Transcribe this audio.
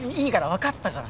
わかったから。